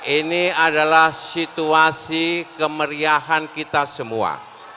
ini adalah situasi kemeriahan kita semua